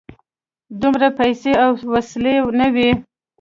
دومره پیسې او وسلې نه وې.